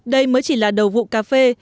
đây mới chỉ là đầu vụ cà phê